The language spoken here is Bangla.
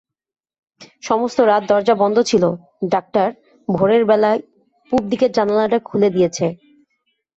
সমস্ত রাত দরজা বন্ধ ছিল, ডাক্তার ভোরের বেলায় পুব দিকের জানালাটা খুলে দিয়েছে।